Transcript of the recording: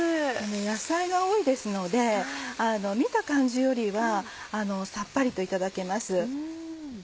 野菜が多いですので見た感じよりはさっぱりといただけます。